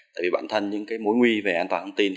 tại vì bản thân những mối nguy về an toàn thông tin